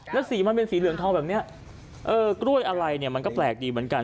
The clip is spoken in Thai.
แล้วสีมันเป็นสีเหลืองทองแบบนี้เออกล้วยอะไรเนี่ยมันก็แปลกดีเหมือนกัน